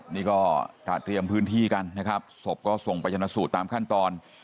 นี่ก็ตระเตรียมพื้นที่กันนะครับศพก็ส่งไปชนะสูตรตามขั้นตอน